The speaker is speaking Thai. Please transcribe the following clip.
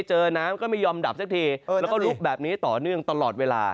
เจอน้ำก็ไม่ยอมดับสักทีแล้วก็ลุกแบบนี้ต่อเนื่องตลอดเวลา